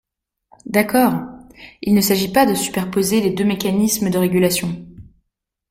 D’accord ! Il ne s’agit pas de superposer les deux mécanismes de régulation.